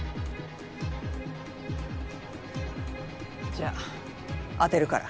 じゃあ当てるから。